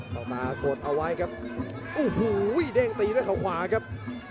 มากดเอาไว้ครับโอ้โหเด้งตีด้วยเขาขวาครับ